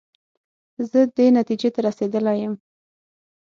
زه دې نتیجې ته رسېدلی یم.